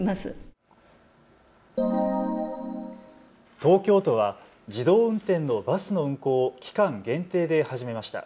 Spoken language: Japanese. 東京都は自動運転のバスの運行を期間限定で始めました。